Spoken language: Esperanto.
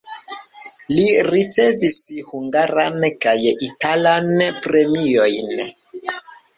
Li ricevis hungaran kaj italan premiojn.